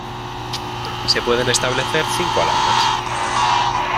Se pueden establecer cinco alarmas.